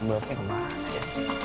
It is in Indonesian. bloknya kemana ya